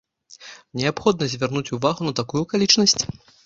Неабходна звярнуць увагу на такую акалічнасць.